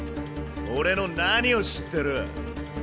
俺の何を知ってる？